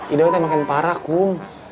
hiday tuh yang makin parah kum